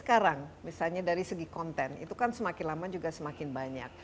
sekarang misalnya dari segi konten itu kan semakin lama juga semakin banyak